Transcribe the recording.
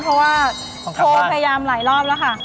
เพราะว่าโทรพยายามหลายรอบแล้วค่ะ